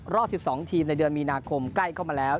รอบ๑๒ทีมในเดือนมีนาคมใกล้เข้ามาแล้ว